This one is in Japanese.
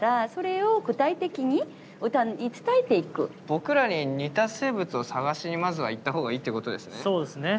僕らに似た生物を探しにまずは行った方がいいっていうことですね。